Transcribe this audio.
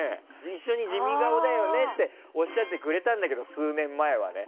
一緒に地味顔だよねっておっしゃってくれたんだけど数年前はね。